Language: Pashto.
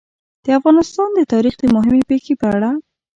د افغانستان د تاریخ د مهمې پېښې په اړه.